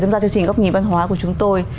tham gia chương trình góc nhìn văn hóa của chúng tôi